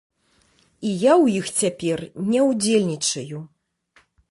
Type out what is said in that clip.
І я ў іх цяпер не ўдзельнічаю.